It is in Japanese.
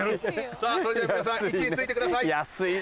さぁそれでは皆さん位置についてください。